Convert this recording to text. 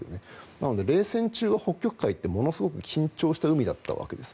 なので冷戦中は北極海ってものすごく緊張した海だったんです。